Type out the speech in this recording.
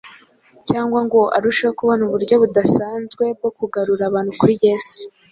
cyangwa ngo arusheho kubona uburyo budasanzwe bwo kugarura abantu kuri Yesu.